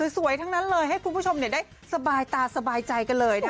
สวยทั้งนั้นเลยให้คุณผู้ชมได้สบายตาสบายใจกันเลยนะคะ